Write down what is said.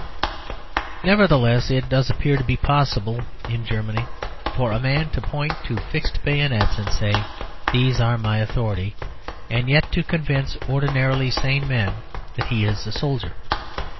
Nevertheless, it does appear to be possible in Germany for a man to point to fixed bayonets and say, "These are my authority," and yet to convince ordinarily sane men that he is a soldier.